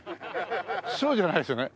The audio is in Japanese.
そうじゃないですよね？